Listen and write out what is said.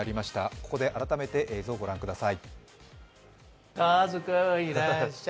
ここで改めて映像を御覧ください